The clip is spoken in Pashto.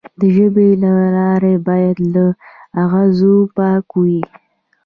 د ژبې لاره باید له اغزو پاکه وي.